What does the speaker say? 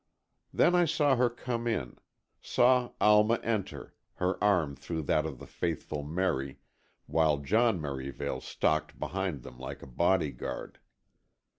Then I saw her come in—saw Alma enter, her arm through that of the faithful Merry, while John Merivale stalked behind them like a bodyguard.